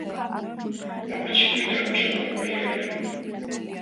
Apachikuyta qućhaman apaykalkan.